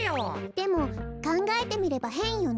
でもかんがえてみればへんよね。